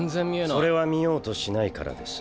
それは見ようとしないからです。